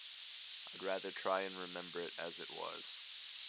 I'd rather try and remember it as it was.